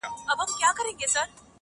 او چرته مینه حسن تخلیقوي